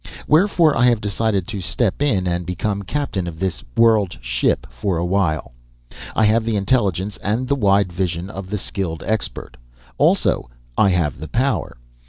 "Wherefore I have decided to step in and become captain of this world ship for a while. I have the intelligence and the wide vision of the skilled expert. Also, I have the power.